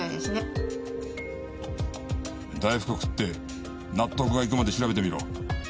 大福食って納得がいくまで調べてみろ。